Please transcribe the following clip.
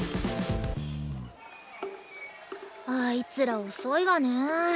あいつら遅いわね。